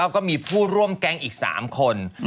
ก็มีผู้ร่วมแก๊งอีก๓คน